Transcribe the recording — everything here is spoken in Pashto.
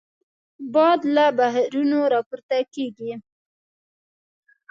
باد له بحرونو راپورته کېږي